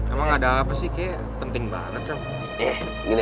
emang ada apa sih kayaknya penting banget sih